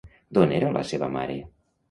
D'on era la seva mare?